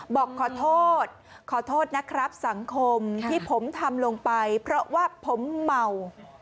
บอกขอโทษขอโทษนะครับสังคมที่ผมทำลงไปเพราะว่าผมเมา